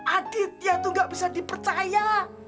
aditya tuh gak bisa dipercaya